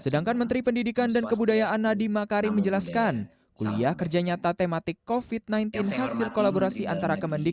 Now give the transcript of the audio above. sedangkan menteri pendidikan dan kebudayaan nadiem makarim menjelaskan kuliah kerja nyata tematik covid sembilan belas hasil kolaborasi antara kemendik